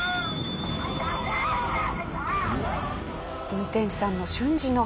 運転手さんの瞬時の判断